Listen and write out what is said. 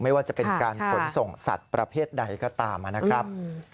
ไม่ว่าจะเป็นการขนส่งสัตว์ประเภทใดก็ตามนะครับ